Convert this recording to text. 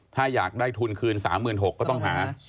ถ้าอยากได้ทุนคืน๓๖๐๐ก็ต้องหา